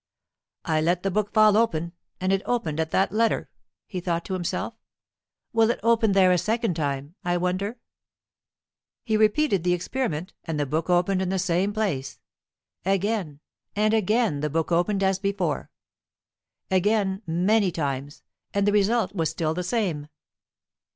"I let the book fall open, and it opened at that letter," he thought to himself. "Will it open there a second time, I wonder?" He repeated the experiment, and the book opened in the same place. Again; and again the book opened as before. Again, many times, and the result was still the same.